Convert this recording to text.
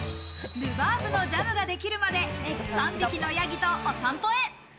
ルバーブのジャムができるまで３匹のヤギとお散歩へ。